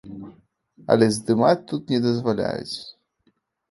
Але здымаць тут не дазваляюць.